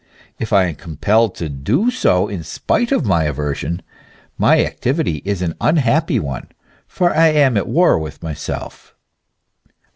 If I am compelled to do so in spite of my aversion, my activity is an unhappy one, for I am at war with myself.